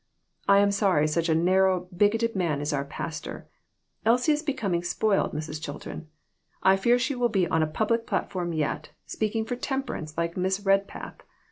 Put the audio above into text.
I am sorry such a narrow, bigoted man is our pastor. Elsie is becoming spoiled, Mrs. Chilton. I fear she will be on a public platform yet, speaking for temperance like Miss Redpath.